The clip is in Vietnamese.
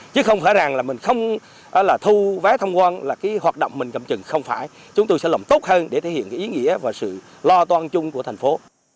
chứ không phải rằng là mình không thu vé thông quan là cái hoạt động mình cầm chừng không phải chúng tôi sẽ làm tốt hơn để thể hiện cái ý nghĩa và sự lo toan chung của thành phố